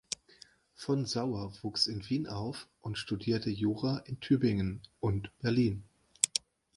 Von Sauer wuchs in Wien auf und studierte Jura in Tübingen und Berlin.